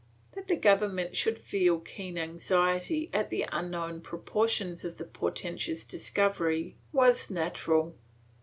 ^ That the government should feel keen anxiety at the unknown proportions of the portentous discovery was natural.